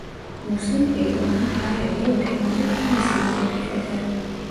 Muhsin Bey ona para ile otelinde kalmasını teklif eder.